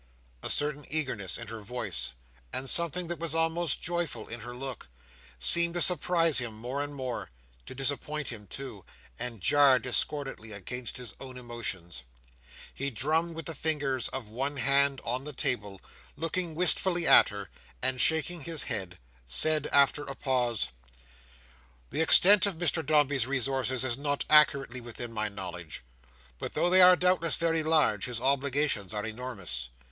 A certain eagerness in her voice, and something that was almost joyful in her look, seemed to surprise him more and more; to disappoint him too, and jar discordantly against his own emotions. He drummed with the fingers of one hand on the table, looking wistfully at her, and shaking his head, said, after a pause: "The extent of Mr Dombey's resources is not accurately within my knowledge; but though they are doubtless very large, his obligations are enormous.